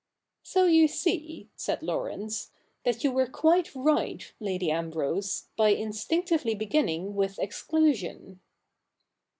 'So you see,' said Laurence, 'that you were quite right, Lady Ambrose, by instinctively beginning with exclusion.'